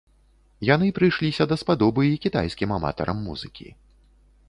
Яны прыйшліся даспадобы і кітайскім аматарам музыкі.